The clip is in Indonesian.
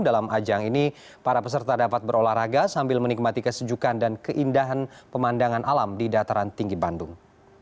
dalam ajang ini para peserta dapat berolahraga sambil menikmati kesejukan dan keindahan pemandangan alam di dataran tinggi bandung